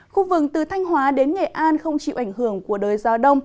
khu vực từ thanh hóa đến nghệ an không chịu ảnh hưởng của đới gió đông